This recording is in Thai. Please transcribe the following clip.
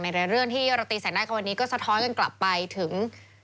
หลายเรื่องที่เราตีแสงหน้ากับวันนี้ก็สะท้อนกันกลับไปถึง